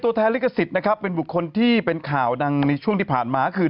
ตัวแทนลิขสิทธิ์นะครับเป็นบุคคลที่เป็นข่าวดังในช่วงที่ผ่านมาคือ